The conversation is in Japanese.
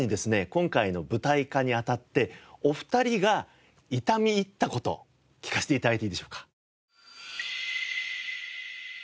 今回の舞台化にあたってお二人が痛み入った事聞かせて頂いていいでしょうか？